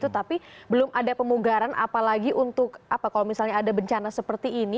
tapi belum ada pemugaran apalagi untuk kalau misalnya ada bencana seperti ini